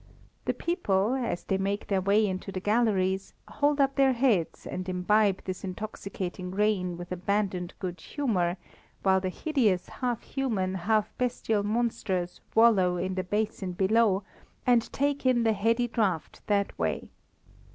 The people, as they make their way into the galleries, hold up their heads and imbibe this intoxicating rain with abandoned good humour, while the hideous half human, half bestial monsters wallow in the basin below and take in the heady draught that way.